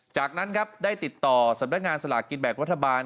จากนั้นครับได้ติดต่อสำรันติภาพนามการสละกินแบ่งวัฒนาบารณ์